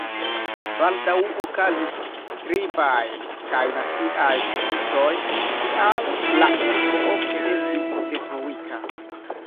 Baldaŭ okazis tribaj kaj naciaj konfliktoj, tial la urbo ofte estis detruita.